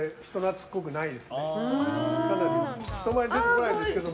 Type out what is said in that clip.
人前に出てこないんですけど。